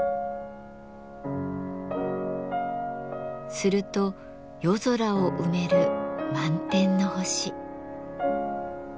すると夜空を埋める満天の星。